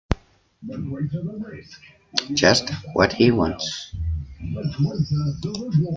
Just what he wants.